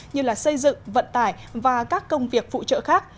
như xây dựng vận tải và các công việc phụ trợ khác